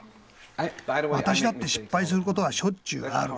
私だって失敗することはしょっちゅうある。